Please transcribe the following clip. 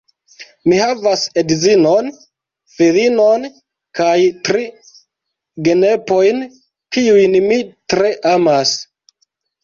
Mi havas edzinon, filinon kaj tri genepojn, kiujn mi tre amas.